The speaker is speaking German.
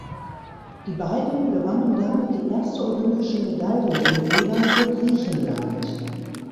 Die beiden gewannen damit die erste olympische Medaille im Rudern für Griechenland.